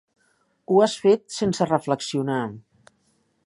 Ho has fet sense reflexionar.